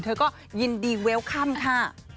เธอก็ยินดีเวลค่ำค่ะ